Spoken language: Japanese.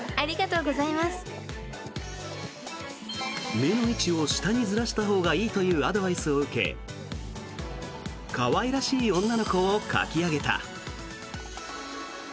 目の位置を下にずらしたほうがいいというアドバイスを受け可愛らしい女の子を描き上げた。